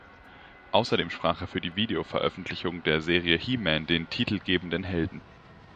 Außerdem sprach er für die Videoveröffentlichung der Serie "He-Man" den titelgebenden Helden.